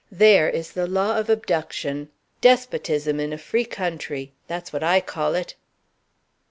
There is the law of Abduction! Despotism in a free country that's what I call it!"